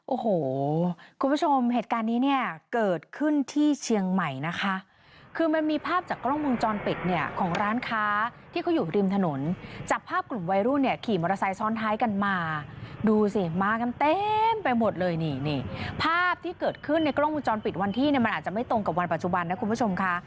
โอ้โหคุณผู้ชมเหตุการณ์นี้เนี่ยเกิดขึ้นที่เชียงใหม่นะคะคือมันมีภาพจากกล้องวงจรปิดเนี่ยของร้านค้าที่เขาอยู่ริมถนนจับภาพกลุ่มวัยรุ่นเนี่ยขี่มอเตอร์ไซค์ซ้อนท้ายกันมาดูสิมากันเต็มไปหมดเลยนี่นี่ภาพที่เกิดขึ้นในกล้องวงจรปิดวันที่เนี่ยมันอาจจะไม่ตรงกับวันปัจจุบันนะคุณผู้ชมค่ะ